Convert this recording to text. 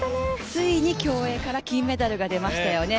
ついに競泳から金メダルが出ましたよね。